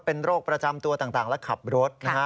เป็นโรคประจำตัวต่างและขับรถนะฮะ